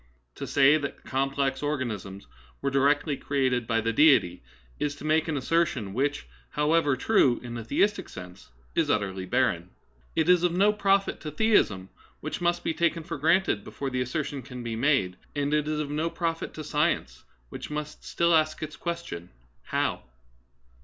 To say that complex organisms were directly created by the Deity is to make an assertion which, however true in a theistic sense, is utterly barren. It is of no profit to theism, which must be taken for granted before the assertion can be made ; and it is of no profit to science, which must still ask its question, " How